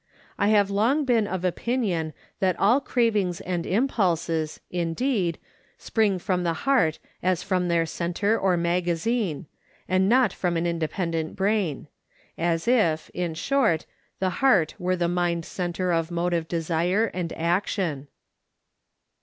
I have long been of opin ion that all cravings and impulses, indeed, spring from the heart as from their centre or magazine, and not from an independent brain ; as if, in short, the heart were the mind centre of motive desire and action.